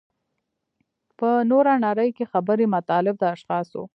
په نوره نړۍ کې خبري مطالب د اشخاصو.